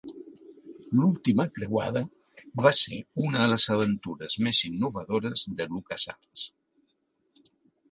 "L'última creuada" va ser una de les aventures més innovadores de LucasArts.